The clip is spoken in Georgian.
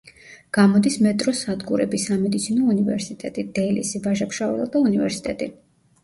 გამოდის მეტროს სადგურები: „სამედიცინო უნივერსიტეტი“, „დელისი“, „ვაჟა-ფშაველა“ და „უნივერსიტეტი“.